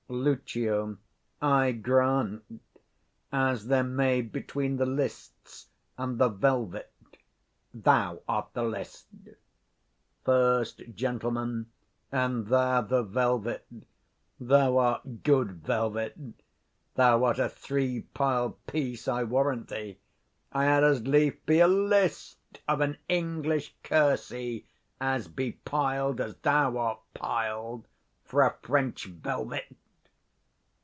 Lucio. I grant; as there may between the lists and the velvet. Thou art the list. 30 First Gent. And thou the velvet: thou art good velvet; thou'rt a three piled piece, I warrant thee: I had as lief be a list of an English kersey, as be piled, as thou art piled, for a French velvet.